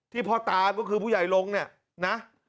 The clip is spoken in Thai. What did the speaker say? พ่อตาก็คือผู้ใหญ่ลงเนี่ยนะ